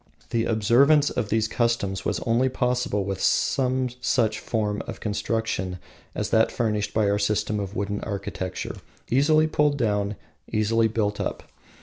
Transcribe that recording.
The observance of these customs was only possible with some form of construction as that furnished by our system of wooden architecture, easily pulled down, easily built up.